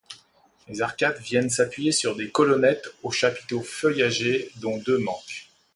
Les arcades viennent s’appuyer sur des colonnettes au chapiteau feuillagé, dont deux manquent.